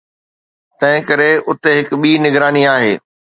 تنهنڪري اتي هڪ ٻي نگراني آهي